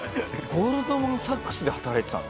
ゴールドマン・サックスで働いてたの？